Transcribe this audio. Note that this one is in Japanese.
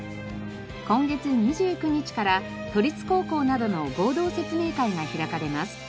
今月２９日から都立高校などの合同説明会が開かれます。